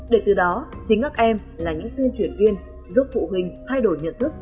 để từ đó chính các em là những tuyên truyền viên giúp phụ huynh thay đổi nhận thức